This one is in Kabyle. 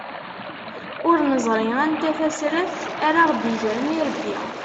Ur neẓri anta tasraft ara aɣ-d-igren irebbi.